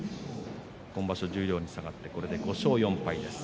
今場所十両に下がってこれで５勝４敗です。